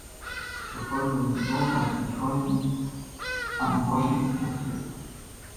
Zur folgenden Saison gab Detroit ihn an die Washington Capitals ab.